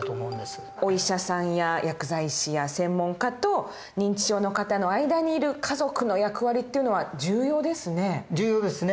お医者さんや薬剤師や専門家と認知症の方の間にいる家族の役割っていうのは重要ですね。